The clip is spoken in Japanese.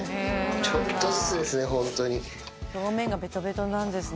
ちょっとずつですね、本当に。